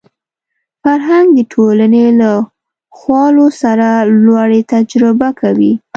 فرهنګ د ټولنې له خوالو سره لوړې تجربه کوي